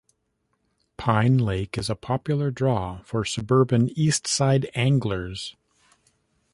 Pine Lake is a popular draw for suburban eastside anglers.